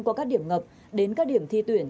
qua các điểm ngập đến các điểm thi tuyển